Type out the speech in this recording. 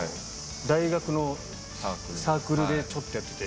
大学のサークルでちょっとやってて。